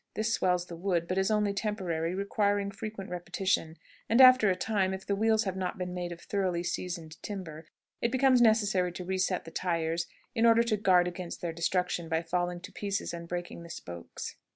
This swells the wood, but is only temporary, requiring frequent repetition; and, after a time, if the wheels have not been made of thoroughly seasoned timber, it becomes necessary to reset the tires in order to guard against their destruction by falling to pieces and breaking the spokes.